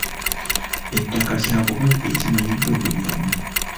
Ettaka kyabugagga ekimanyiddwa buli omu.